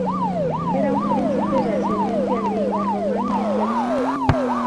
Era un príncipe de ascendencia griega, romana y persa.